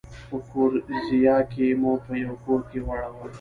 په ګوریزیا کې مو په یوه کور کې واړول.